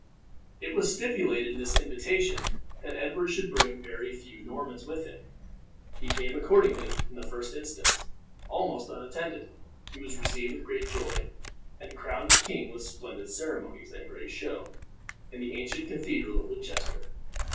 It was stipulated in this invitation that Edward should bring very few Normans with him. He came, accordingly, in the first instance, almost unattended. He was received with great joy, and crowned king with splendid ceremonies and great show, in the ancient cathedral at Winchester.